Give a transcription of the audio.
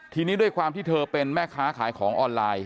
ทีนี้ด้วยความที่เธอเป็นแม่ค้าขายของออนไลน์